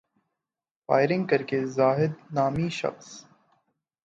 firing کر کے زاہد نامی شخص